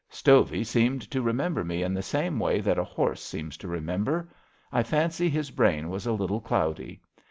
Stovey seemed to remember me in the same way that a horse seems to remember. I fancy his brain was a little cloudy.